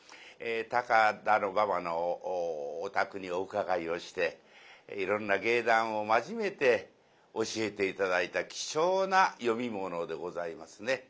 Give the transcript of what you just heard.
高田馬場のお宅にお伺いをしていろんな芸談を交えて教えて頂いた貴重な読み物でございますね。